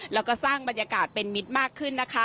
แล้วก็สร้างบรรยากาศเป็นมิตรมากขึ้นนะคะ